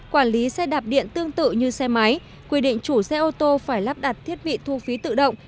quản lý xe đạp điện tương tự như xe máy quy định chủ xe ô tô phải lắp đặt thiết bị thu phí tự động